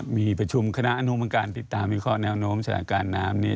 มีประชุมคณะอนุมังการติดตามวิเคราะห์แนวโน้มสถานการณ์น้ำนี้